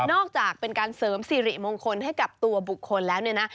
จากการเสริมสิริมงคลให้กับตัวบุคคลแล้วเนี่ยนะ